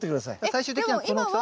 最終的にはこの大きさ？